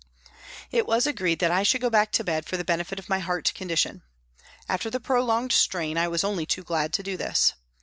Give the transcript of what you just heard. It was agreed that I should go back to bed for the benefit of my heart condition. After the prolonged strain I was only too glad to do this.